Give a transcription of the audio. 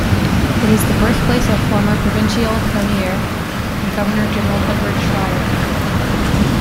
It is the birthplace of former Provincial Premier and Governor General Edward Schreyer.